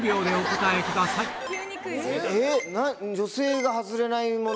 女性が外れないもの。